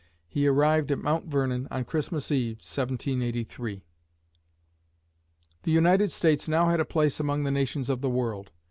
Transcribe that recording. He arrived at Mount Vernon on Christmas eve (1783). The United States now had a place among the nations of the world.